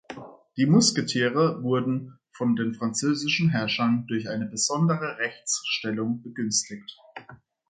Die Musketiere wurden von den französischen Herrschern durch eine besondere Rechtsstellung begünstigt.